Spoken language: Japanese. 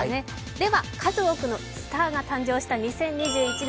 数多くのスターが誕生した２０２１年。